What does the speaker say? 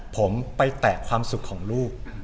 ผมไปแตะความสุขของลูก